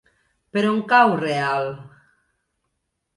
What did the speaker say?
Per on cau Real?